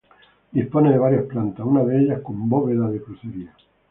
Dispone de varias plantas, una de ellas con bóveda de crucería.